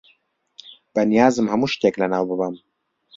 بەنیازم هەموو شتێک لەناو ببەم.